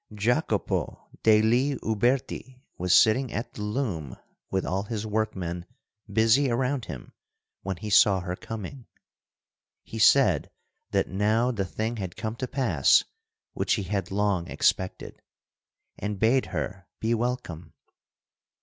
Jacopo degli Uberti was sitting at the loom with all his workmen busy around him when he saw her coming. He said that now the thing had come to pass which he had long expected, and bade her be welcome.